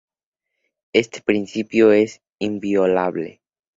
Este principio es inviolable.